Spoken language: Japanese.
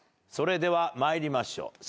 それでは参りましょう。